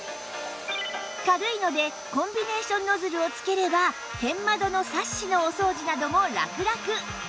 軽いのでコンビネーションノズルをつければ天窓のサッシのお掃除などもラクラク